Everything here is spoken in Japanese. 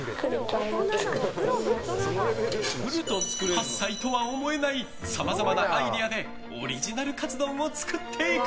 ８歳とは思えないさまざまなアイデアでオリジナルカツ丼を作っていく。